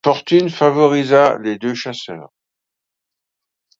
la fortune favorisa les deux chasseurs.